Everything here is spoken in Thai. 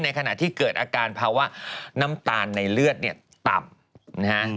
ในขณะที่เกิดอาการภาวะน้ำตาลในเลือดต่ำ